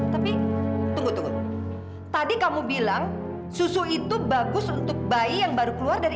tapi tunggu tunggu tadi kamu bilang susu itu bagus untuk bayi yang baru keluar dari